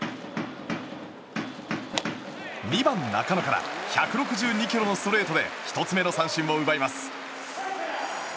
２番、中野から１５２キロのストレートで１つ目の三振を奪います。